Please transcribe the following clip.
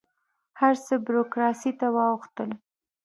هر څه بروکراسي ته واوښتل.